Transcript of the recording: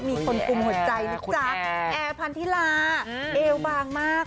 มีคนกลุ่มหัวใจนะจ๊ะแอร์พันธิลาเอวบางมาก